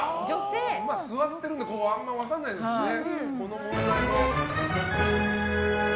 座ってるのであんまり分かんないですしね。